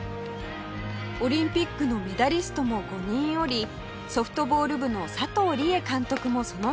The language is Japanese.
オリンピックのメダリストも５人おりソフトボール部の佐藤理恵監督もその一人です